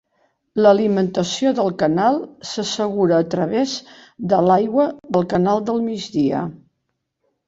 L'alimentació del canal s'assegura a través de l'aigua del canal del Migdia.